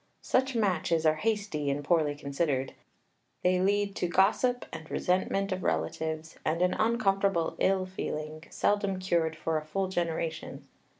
Such matches are hasty, and poorly considered. They lead to gossip and resentment of relatives, and an uncomfortable ill feeling, seldom cured for a full generation.